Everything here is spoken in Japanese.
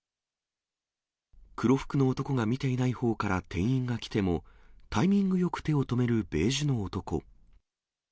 黒服の男が見ていないほうから店員が来ても、タイミングよく手を止めるベージュの男。